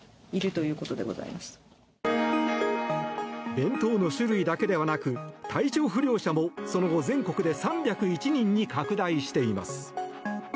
弁当の種類だけでなく体調不良者もその後、全国で３０１人に拡大しています。